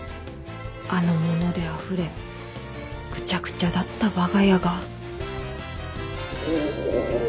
あの物であふれぐちゃぐちゃだったわが家が。